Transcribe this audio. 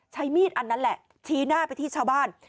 ใช้มีดอันนั้นแหละชี้หน้าไปที่ชาวบ้าน